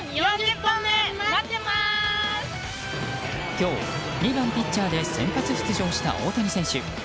今日、２番ピッチャーで先発出場した大谷選手。